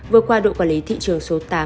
vừa qua đội quản lý thị trường số tám